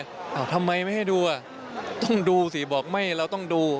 อะไรเอ่ยทำไมไม่ให้ดูก็ต้องดูสิบอกว่าต้องดู